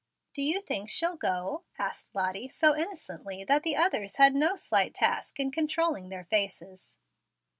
"Do you think she'll go?" asked Lottie, so innocently that the others had no slight task in controlling their faces.